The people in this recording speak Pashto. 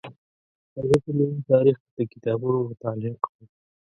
زه د ملي تاریخ د کتابونو مطالعه کوم.